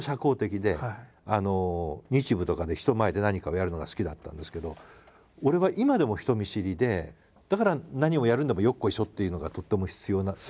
日舞とかで人前で何かをやるのが好きだったんですけど俺は今でも人見知りでだから何をやるんでもよっこいしょっていうのがとっても必要な。